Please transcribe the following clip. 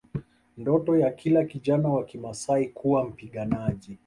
Ndoto ya kila kijana wa Kimaasai kuwa mpiganaji